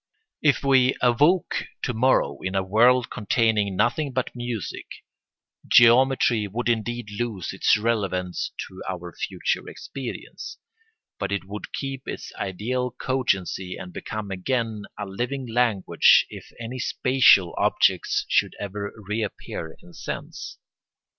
If we awoke to morrow in a world containing nothing but music, geometry would indeed lose its relevance to our future experience; but it would keep its ideal cogency, and become again a living language if any spatial objects should ever reappear in sense.